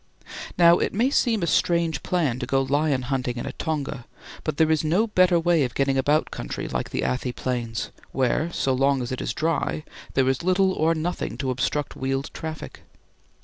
Now it may seem a strange plan to go lion hunting in a tonga, but there is no better way of getting about country like the Athi Plains, where so long as it is dry there is little or nothing to obstruct wheeled traffic.